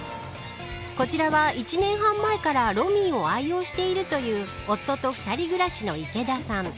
こちらは１年半前からＲｏｍｉを愛用しているという夫と２人暮らしの池田さん。